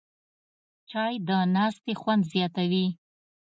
چای د ناستې خوند زیاتوي